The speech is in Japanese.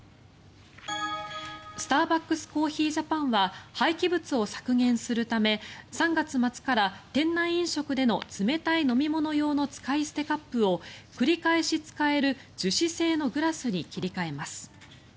スターバックスコーヒージャパンは廃棄物を削減するため３月末から店内飲食での冷たい飲み物用の使い捨てカップを繰り返し使える樹脂製のグラスに切り替えます。